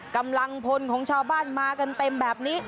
กำลังพลของชาวบ้านมากันเต็มแบบนี้